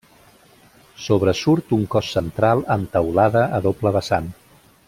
Sobresurt un cos central amb teulada a doble vessant.